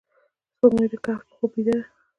سپوږمۍ د کهف په خوب بیده ده